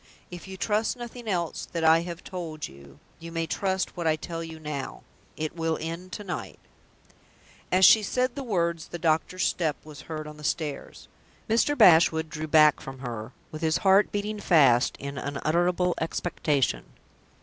If you trust nothing else that I have told you, you may trust what I tell you now. It will end to night." As she said the words, the doctor's step was heard on the stairs. Mr. Bashwood drew back from her, with his heart beating fast in unutterable expectation.